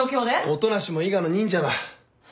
音無も伊賀の忍者だ。